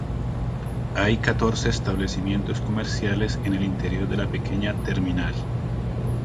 Hay catorce establecimientos comerciales en el interior de la pequeña terminal.